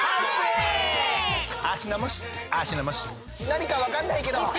なにかわかんないけど。